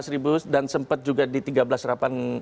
tiga belas ribu dan sempat juga di tiga belas delapan ratus ya